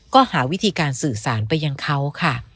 ก็หาวิธีการสื่อสารไปยังเขาค่ะ